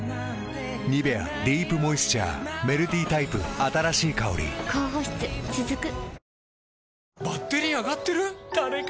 「ニベアディープモイスチャー」メルティタイプ新しい香り高保湿続く。